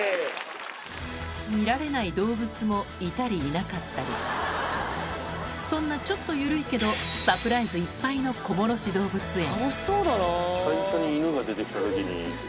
見られない動物もいたりいなかったりそんなちょっと緩いけどサプライズいっぱいの小諸市動物園